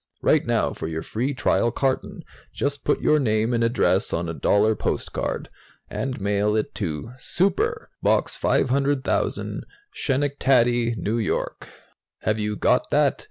"Write now for your free trial carton. Just put your name and address on a dollar postcard, and mail it to 'Super,' Box 500,000, Schenectady, N. Y. Have you got that?